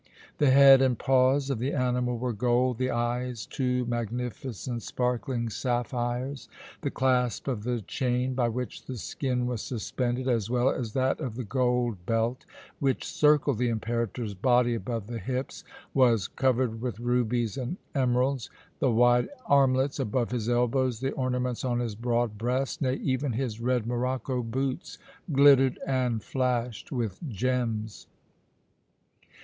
The head and paws of the animal were gold, the eyes two magnificent sparkling sapphires. The clasp of the chain, by which the skin was suspended, as well as that of the gold belt which circled the Imperator's body above the hips, was covered with rubies and emeralds. The wide armlets above his elbows, the ornaments on his broad breast, nay, even his red morocco boots, glittered and flashed with gems.